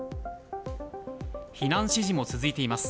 避難指示も続いています。